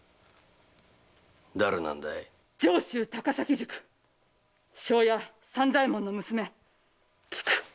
上州高崎宿庄屋三左衛門の娘・きく！